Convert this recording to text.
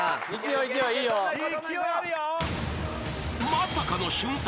［まさかの瞬殺。